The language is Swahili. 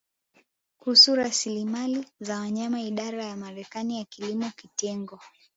kuhusu Rasilimali za Wanyama Idara ya Marekani ya Kilimo Kitengo